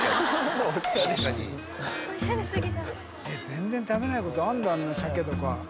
全然食べないことあるんだあんなサケとか。